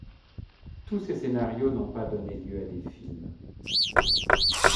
Tous ses scénarios n'ont pas donné lieu à des films.